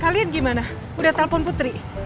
kalian gimana udah telpon putri